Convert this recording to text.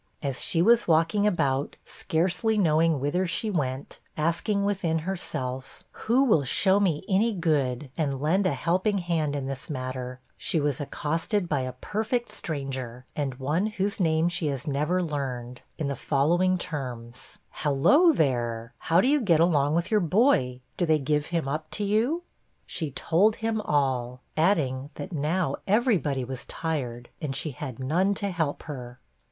As she was walking about, scarcely knowing whither she went, asking within herself, 'Who will show me any good, and lend a helping hand in this matter,' she was accosted by a perfect stranger, and one whose name she has never learned, in the following terms: 'Halloo, there; how do you get along with your boy? do they give him up to you?' She told him all, adding that now every body was tired, and she had none to help her.